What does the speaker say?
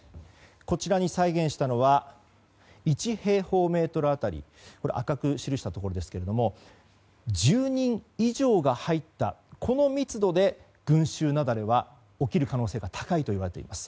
こちらに再現したのは１平方メートル当たり赤く記したところですが１０人以上が入ったこの密度で群衆雪崩は起きる可能性が高いといわれています。